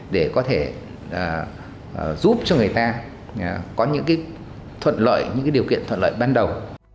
để có thể giúp cho người ta có những điều kiện thuận lợi ban đầu